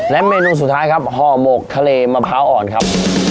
เมนูสุดท้ายครับห่อหมกทะเลมะพร้าวอ่อนครับ